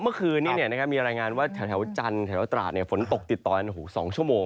เมื่อคืนนี้เนี่ยนะครับมีรายงานว่าแถวจันทร์แถวตลาดเนี่ยฝนตกติดตอน๒ชั่วโมง